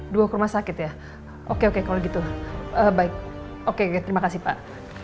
dua ke rumah sakit ya oke oke kalau gitu baik oke terima kasih pak